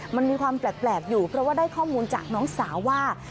มันมีความแปลกอยู่เพราะว่าได้ข้อมูลจากน้องสาวว่า